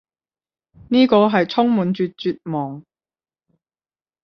呢個係充滿住絕望